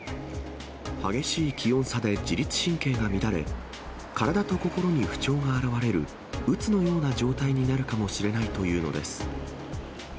激しい気温差で自律神経が乱れ、体と心に不調が表れるうつのような状態になるかもしれないというのです。